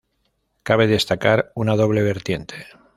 Cabe destacar una doble vertiente.